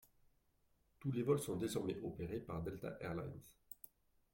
Tous ses vols sont désormais opérés par Delta Air Lines.